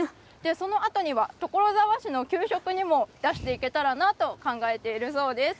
そのあとには所沢市の給食にも出していけたらなと考えているそうです。